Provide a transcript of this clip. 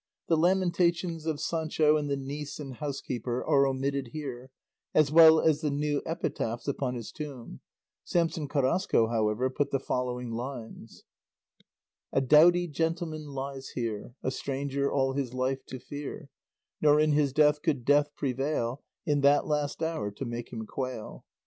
The lamentations of Sancho and the niece and housekeeper are omitted here, as well as the new epitaphs upon his tomb; Samson Carrasco, however, put the following lines: A doughty gentleman lies here; A stranger all his life to fear; Nor in his death could Death prevail, In that last hour, to make him quail.